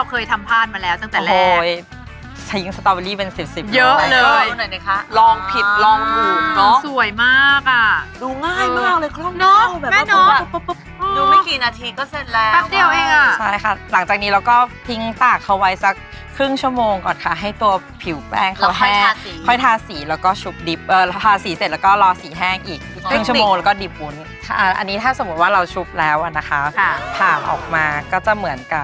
แม่น้องแม่น้องดูไม่กี่นาทีก็เสร็จแล้วแป๊บเดียวเองอะใช่ค่ะหลังจากนี้เราก็ทิ้งตากเขาไว้สักครึ่งชั่วโมงก่อนค่ะให้ตัวผิวแป้งเขาแห้งแล้วค่อยทาสีค่อยทาสีแล้วก็ฉุบดิบเอ่อทาสีเสร็จแล้วก็รอสีแห้งอีกครึ่งชั่วโมงแล้วก็ดิบบุ๋นอันนี้ถ้าสมมุติว่าเราฉุบแล้วอะนะคะค่ะผ่าออกมาก็จะเหมื